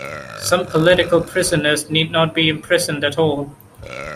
Some political prisoners need not be imprisoned at all.